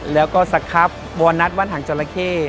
แล้วก็สครับวอนัทวานหางเจราะเก